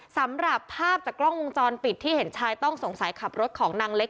สำหรับภาพจากกล้องวงจรปิดที่เห็นชายต้องสงสัยขับรถของนางเล็ก